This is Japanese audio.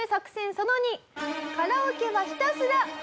その２「カラオケはひたすら西野カナ」。